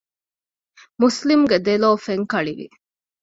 މުސްލިމްގެ ދެލޯ ފެންކަޅިވި